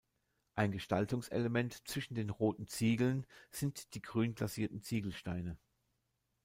Ein Gestaltungselement zwischen den roten Ziegeln sind die grün glasierten Ziegelsteine.